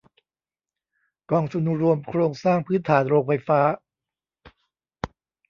กองทุนรวมโครงสร้างพื้นฐานโรงไฟฟ้า